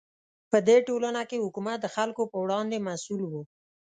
په دې ټولنه کې حکومت د خلکو په وړاندې مسوول و.